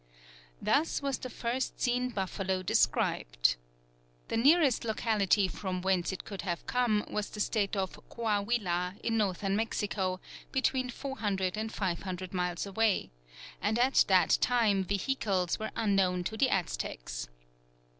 Thus was the first seen buffalo described. The nearest locality from whence it could have come was the State of Coahuila, in northern Mexico, between 400 and 500 miles away, and at that time vehicles were unknown to the Aztecs.